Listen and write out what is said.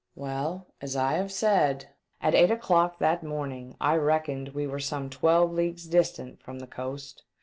Well, as I have said, at eight o'clock that morning I reckoned we were some twelve leagues distant from the coast.